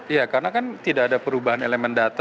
iya karena kan tidak ada perubahan elemen data